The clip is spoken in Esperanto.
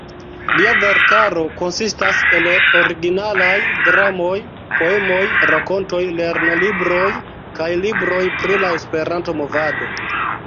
Lia verkaro konsistas el originalaj dramoj, poemoj, rakontoj, lernolibroj kaj libroj pri la Esperanto-movado.